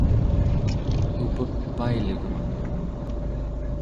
upepailegma